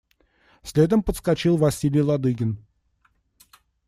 Следом подскочил Василий Ладыгин.